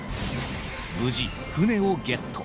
無事船をゲット。